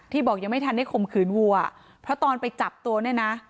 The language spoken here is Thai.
บอกยังไม่ทันได้ข่มขืนวัวเพราะตอนไปจับตัวเนี่ยนะ